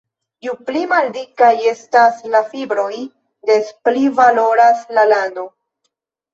Ju pli maldikaj estas la fibroj, des pli valoras la lano.